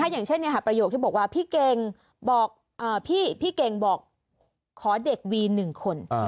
อย่างเช่นประโยคที่บอกว่าพี่เกงบอกขอเด็กวี๑คน